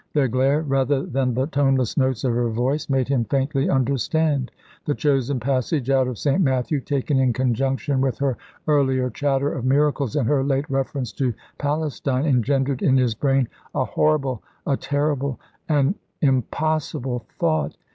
Their glare, rather than the toneless notes of her voice, made him faintly understand. The chosen passage out of St. Matthew, taken in conjunction with her earlier chatter of miracles, and her late reference to Palestine, engendered in his brain a horrible, a terrible, an impossible thought.